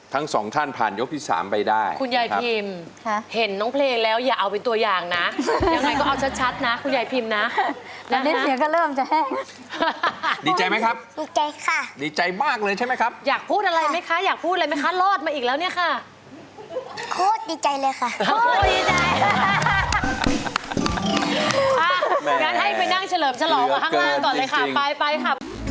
อย่างนั้นให้ไปนั่งเฉลิมฉลองข้างล่างก่อนเลยค่ะไปค่ะ